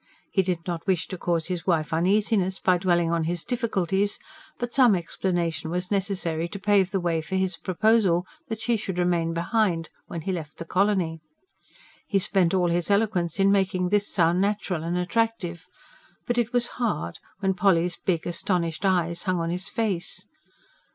He did not wish to cause his wife uneasiness, by dwelling on his difficulties; but some explanation was necessary to pave the way for his proposal that she should remain behind, when he left the colony. He spent all his eloquence in making this sound natural and attractive. But it was hard, when Polly's big, astonished eyes hung on his face.